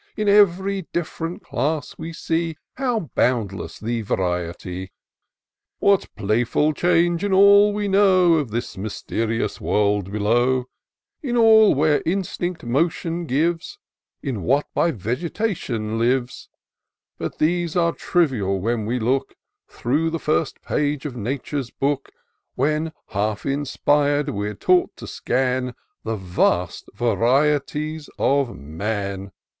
In ev'ry diflTrent class we see How boundless the variety ! What playful change in all we know Of this mysterious world below ; In all where instinct motion gives, In what by vegetation lives : But these are trivial, when we look Through the first page of Nature's book, When, half inspir'd, we're taught to scan The vast varieties of man."